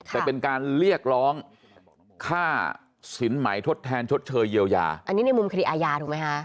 แต่เป็นการเรียกร้องค่าสินไหมทดแทนชดเชยเยียวยาอันนี้ในมุมคดีอาญาถูกไหมคะ